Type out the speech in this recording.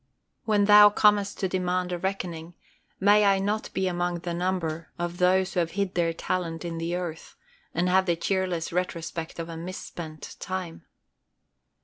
When thou comest to demand a reckoning, may I not be among the number of those who have hid their talent in the earth, and have the cheerless retrospect of a misspent time.